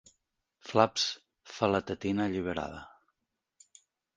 Flaps, fa la tetina alliberada.